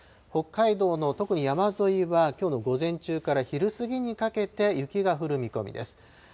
北海道の特に山沿いは、きょうの午前中から昼過ぎにかけて、雪が降る見込みです。